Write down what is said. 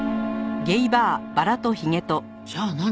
じゃあ何？